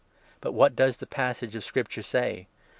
But what does the passage 30 of Scripture say